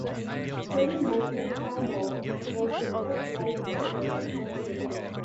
Pierre Michel Campau was the first white settler in Southgate.